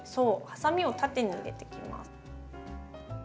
ハサミを縦に入れていきます。